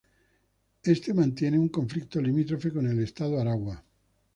Al este mantiene un conflicto limítrofe con el Estado Aragua.